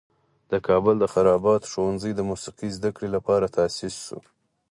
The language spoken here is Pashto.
د کابل د خراباتو ښوونځی د موسیقي زده کړې لپاره تاسیس شو.